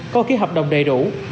có ký hợp đồng đầy đủ